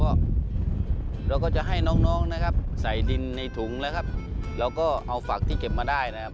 เราก็จะให้น้องน้องนะครับใส่ดินในถุงแล้วครับเราก็เอาฝักที่เก็บมาได้นะครับ